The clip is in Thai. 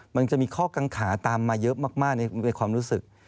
มันจะมีข้อกังขาตามมาเยอะมากในความรู้สึก